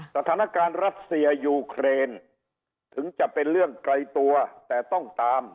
สถานการณ์รัสเซียยูเครนถึงจะเป็นเรื่องไกลตัวแต่ต้องตาม